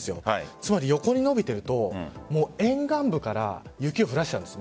つまり横に伸びていると沿岸部から雪を降らせてしまうんです